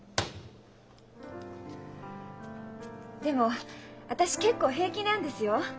でも私結構平気なんですよ。